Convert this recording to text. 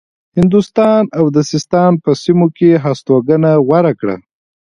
هندوستان او د سیستان په سیمو کې هستوګنه غوره کړه.